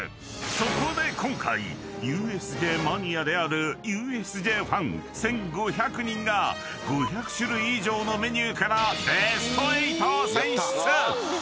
［そこで今回ＵＳＪマニアであるＵＳＪファン１，５００人が５００種類以上のメニューからベスト８を選出！］